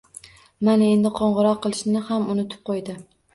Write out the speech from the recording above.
Mana endi qo`ng`iroq qilishni ham unutib qo`ydi